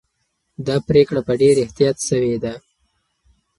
دا پرېکړه په ډېر احتیاط سوې ده.